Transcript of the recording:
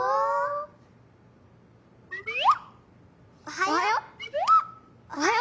おはよっ。